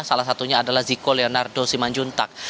salah satunya adalah ziko leonardo simanjuntak